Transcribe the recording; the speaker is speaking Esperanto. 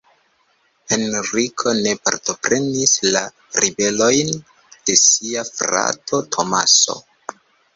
Henriko ne partoprenis la ribelojn de sia frato Tomaso.